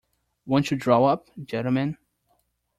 Won't you draw up, gentlemen.